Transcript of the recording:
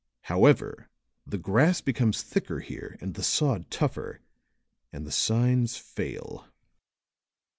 "However, the grass becomes thicker here and the sod tougher, and the signs fail.